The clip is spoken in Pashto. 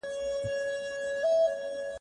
تللیو خلکو څخه ډېر یادونه هېرشول